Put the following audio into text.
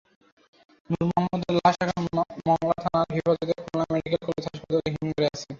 নূর মোহাম্মদের লাশ এখন মংলা থানার হেফাজতে খুলনা মেডিকেল কলেজ হাসপাতালের হিমঘরে আছে।